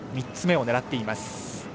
３つ目を狙っています。